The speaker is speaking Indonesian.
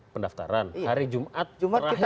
pendaftaran hari jumat terakhir